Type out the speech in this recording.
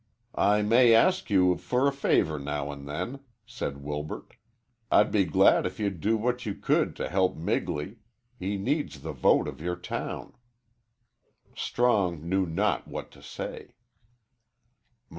"I may ask you for a favor now and then," said Wilbert. "I'd be glad if you'd do what you could to help Migley. He needs the vote of your town." Strong knew not what to say.